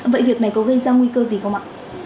vậy việc này có gây ra nguy cơ gì không ạ